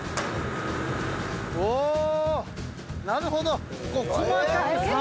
おなるほど。